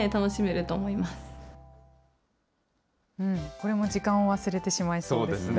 これも時間を忘れてしまいそうですね。